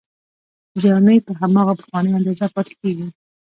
جامې په هماغه پخوانۍ اندازه پاتې کیږي.